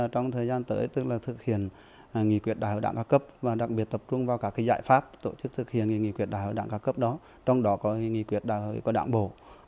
trong thời gian tới tức là thực hiện nghị quyết đại hội đảng các cấp và đặc biệt tập trung vào các giải pháp tổ chức thực hiện nghị quyết đại hội đảng các cấp đó trong đó có nghị quyết đại hội của đảng bộ